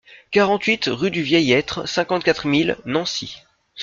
quarante-huit rue du Vieil Aître, cinquante-quatre mille Nancy